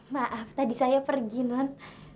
maaf tadi saya pergi non